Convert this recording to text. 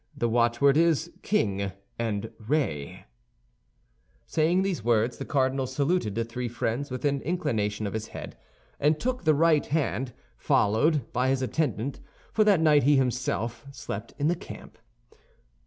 The watchword is, 'King and Ré.'" Saying these words, the cardinal saluted the three friends with an inclination of his head, and took the right hand, followed by his attendant—for that night he himself slept in the camp.